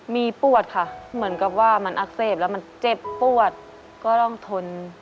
มีปวดค่ะเหมือนกับว่ามันอักเสบแล้วมันเจ็บปวดก็ต้องทน